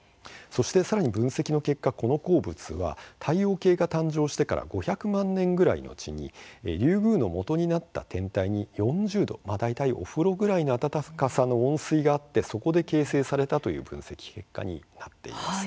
さらに分析の結果、この鉱物は太陽系が誕生してから５００万年くらいのうちにリュウグウのもとになった天体に４０度、大体お風呂くらいの温かさの温水があってそこで形成されたという分析結果になっています。